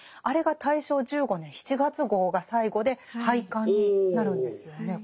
あれが大正１５年７月号が最後で廃刊になるんですよね。